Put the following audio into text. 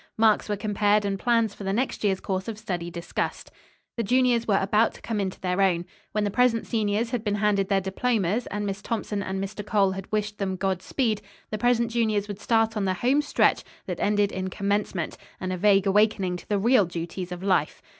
Marks were compared and plans for the next year's course of study discussed. The juniors were about to come into their own. When the present seniors had been handed their diplomas, and Miss Thompson and Mr. Cole had wished them god speed, the present juniors would start on the home stretch that ended in commencement, and a vague awakening to the real duties of life.